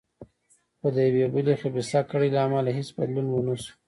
خو د یوې بلې خبیثه کړۍ له امله هېڅ بدلون ونه شو.